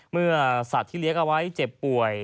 เมื่อสัตว์ที่เลี้ยงเอาไว้เจ็บป่วย